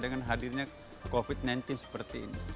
dengan hadirnya covid sembilan belas seperti ini